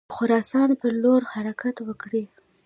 د خراسان پر لور حرکت وکړي.